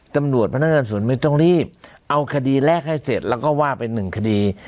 ตำรวจพนักงานส่วนไม่ต้องรีบเอาคดีแรกให้เสร็จแล้วก็ว่าเป็นหนึ่งคดี